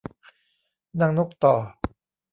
นางนกต่อ